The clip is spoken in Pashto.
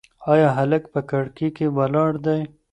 ایا هلک په کړکۍ کې ولاړ دی؟